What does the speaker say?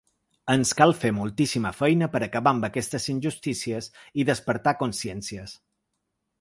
Ens cal fer moltíssima feina per acabar amb aquestes injustícies i despertar consciències.